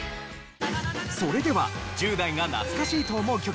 それでは１０代が懐かしいと思う曲